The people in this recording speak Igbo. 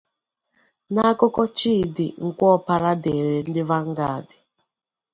N’akụkọ Chidi Nkwopara deere ndị Vanguard